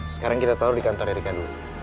sekarang kita taruh di kantor irika dulu